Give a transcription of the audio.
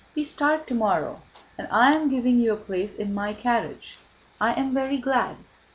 "We start tomorrow and I'm giving you a place in my carriage. I am very glad.